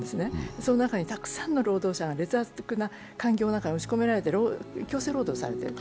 その中にたくさんの労働者が劣悪な環境の中に押し込まれて強制労働させられていると。